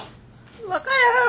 バカ野郎！